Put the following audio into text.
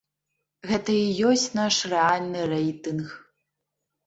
Гэта і ёсць наш рэальны рэйтынг.